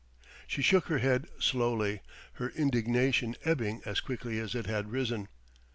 She shook her head slowly, her indignation ebbing as quickly as it had risen.